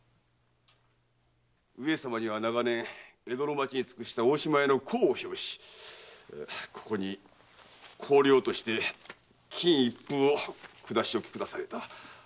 上様には長年江戸の町に尽くした大島屋の功を評しここに香料として金一封を下しおきくだされた。